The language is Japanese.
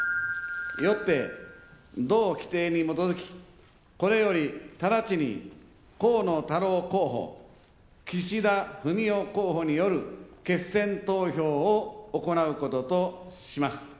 よって、同規定に基づき、これよりただちに河野太郎候補、岸田文雄候補による決選投票を行うこととします。